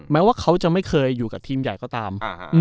แม้ว่าเขาจะไม่เคยอยู่กับทีมใหญ่ก็ตาม